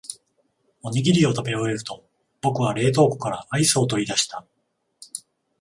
おにぎりを食べ終えると、僕は冷凍庫からアイスを取り出した。